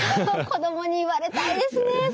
子どもに言われたいですね